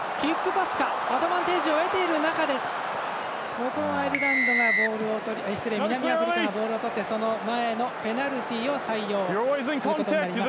ここは南アフリカがボールをとってその前のペナルティを採用するところになります。